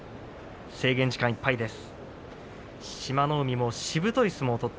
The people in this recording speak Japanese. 制限時間いっぱいです。